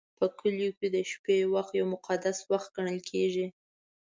په کلیو کې د شپې وخت یو مقدس وخت ګڼل کېږي.